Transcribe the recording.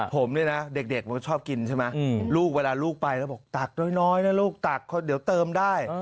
ผมเนี่ยนะเด็กมันก็ชอบกินใช่ไหมลูกเวลาลูกไปแล้วบอกตักน้อยนะลูกตักเดี๋ยวเติมได้